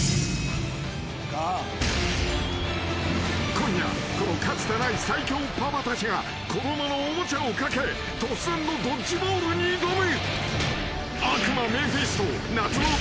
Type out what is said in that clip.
［今夜このかつてない最強パパたちが子供のおもちゃを懸け突然のドッジボールに挑む］